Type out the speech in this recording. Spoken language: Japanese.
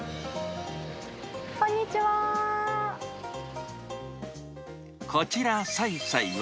こんにちは。